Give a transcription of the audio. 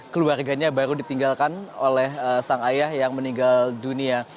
keluarganya baru ditinggalkan oleh sang ayah yang meninggal dunia